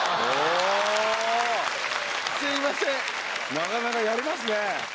なかなかやりますね。